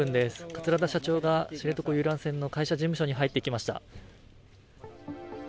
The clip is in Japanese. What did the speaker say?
桂田社長が知床遊覧船の会社事務所に入ってきました。